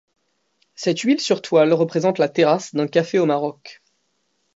Cette huile sur toile représente la terrasse d'un café au Maroc.